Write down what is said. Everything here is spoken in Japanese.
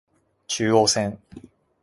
中央線